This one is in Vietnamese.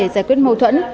giải quyết mâu thuẫn